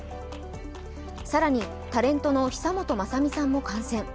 更に、タレントの久本雅美さんも感染。